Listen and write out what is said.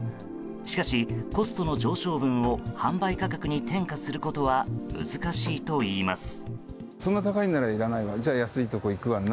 しかし、コストの上昇分を販売価格に転嫁することは難しいといいます。